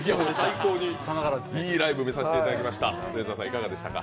最高にいいライブ、見させていただきました。